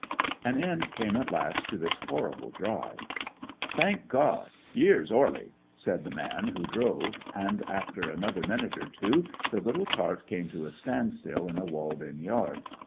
An end came at last to this horrible drive. "Thank Gawd, 'ere's 'orley!" said the man who drove; and after another minute or two the little cart came to a standstill in a walled in yard.